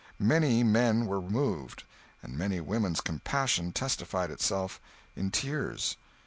Many men were moved, and many women's compassion testified itself in tears.